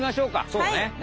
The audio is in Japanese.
そうね。